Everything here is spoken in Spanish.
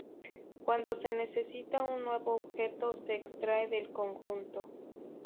Cuando se necesita un nuevo objeto, se extrae del conjunto.